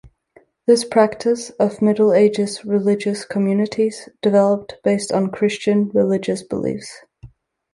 This practice of Middle Ages religious communities developed based on Christian religious beliefs.